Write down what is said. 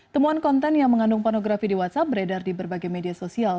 temuan konten yang mengandung pornografi di whatsapp beredar di berbagai media sosial